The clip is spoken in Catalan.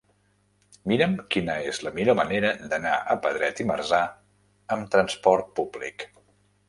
Mira'm quina és la millor manera d'anar a Pedret i Marzà amb trasport públic.